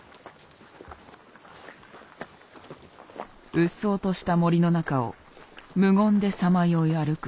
うっそうとした森の中を無言でさまよい歩く